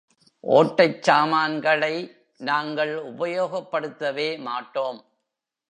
ஓட்டைச் சாமான்களை நாங்கள் உபயோகப்படுத்தவே மாட்டோம்.